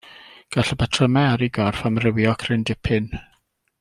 Gall y patrymau ar ei gorff amrywio cryn dipyn.